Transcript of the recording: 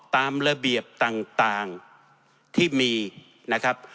ตามระเบียบต่างที่มีนะครับ